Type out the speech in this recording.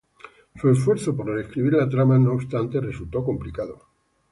Su esfuerzo por reescribir la trama, no obstante, resultó complicado.